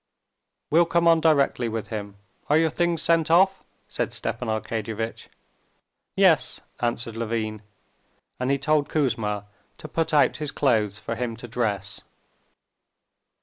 "We'll come on directly with him. Are your things sent off?" said Stepan Arkadyevitch. "Yes," answered Levin, and he told Kouzma to put out his clothes for him to dress.